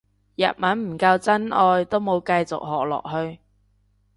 日文唔夠真愛都冇繼續學落去